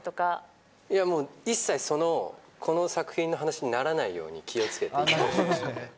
もう、一切この作品の話にならないように気をつけていましたね。